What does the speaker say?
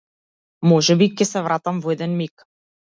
Можеби ќе се вратам во еден миг.